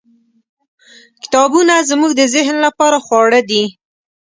. کتابونه زموږ د ذهن لپاره خواړه دي.